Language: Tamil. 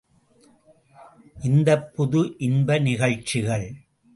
இந்தப் புது இன்ப நிகழ்ச்சிகள்.